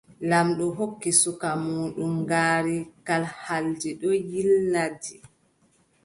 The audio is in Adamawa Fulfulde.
Laamɗo hokki suka muuɗum ngaari kalhaldi ɗon yiilna ndi.